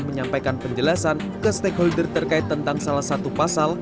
menyampaikan penjelasan ke stakeholder terkait tentang salah satu pasal